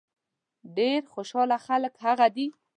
ډېر خوشاله خلک هغه دي.